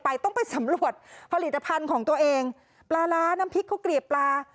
ต้องไปสำรวจผลิตภัณฑ์ของตัวเองปลาร้าน้ำพริกข้าวเกลียบปลา